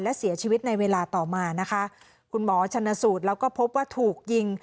และเสียชีวิตในเวลาต่อมานะคะคุณหมอชนสูตรแล้วก็พบว่าถูกยิง